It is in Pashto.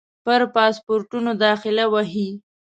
پر پاسپورټونو داخله وهي.